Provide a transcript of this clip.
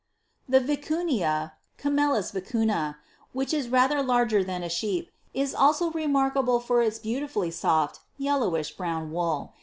20. The Vicunia, (Vicunia,) Camclits Vicunna, which is rather larger than a sheep, is also remarkable for its beautifully soft, yellowish, brown wool.